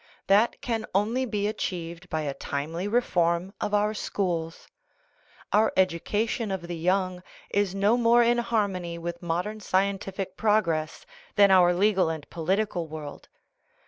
That can only be achieved by a timely reform of our schools. Our education of the young is no more in harmony with modern scientific progress than our legal and polit ical world.